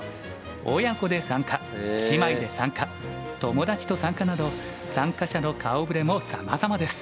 親子で参加姉妹で参加友達と参加など参加者の顔ぶれもさまざまです。